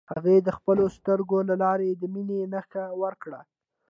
هغې د خپلو سترګو له لارې د مینې نښه ورکړه.